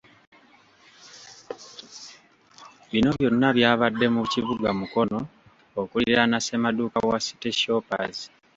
Bino byonna byabadde mu kibuga Mukono okuliraana Ssemaduuka wa City Shoppers.